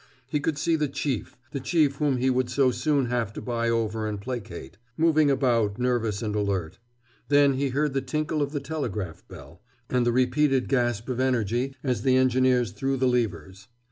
He could see the Chief, the Chief whom he would so soon have to buy over and placate, moving about nervous and alert. Then he heard the tinkle of the telegraph bell, and the repeated gasp of energy as the engineers threw the levers.